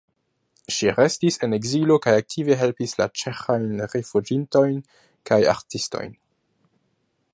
Ŝi restis en ekzilo kaj aktive helpis la ĉeĥajn rifuĝintojn kaj artistojn.